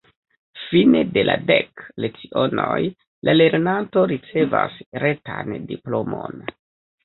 Fine de la dek lecionoj, la lernanto ricevas retan diplomon.